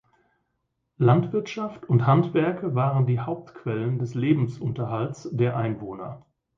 Landwirtschaft und Handwerke waren die Hauptquellen des Lebensunterhaltes der Einwohner.